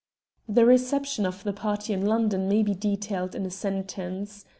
The reception of the party in London may be detailed in a sentence.